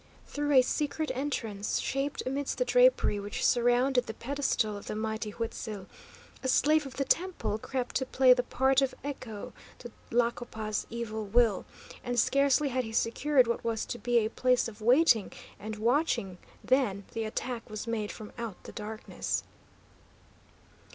Through a secret entrance, shaped amidst the drapery which surrounded the pedestal of the mighty Huitzil', a slave of the temple crept to play the part of echo to Tlacopa's evil will; and scarcely had he secured what was to be a place of waiting and watching than the attack was made from out the darkness.